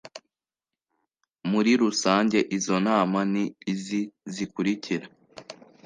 muri rusange izo nama ni izi zikurikira